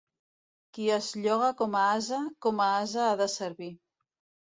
Qui es lloga com a ase, com a ase ha de servir.